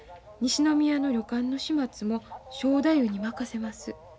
西宮の旅館の始末も正太夫に任せます。